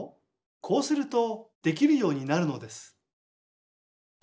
こうするとできるようになるのです。